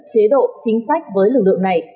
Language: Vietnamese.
chế độ chính sách với lực lượng này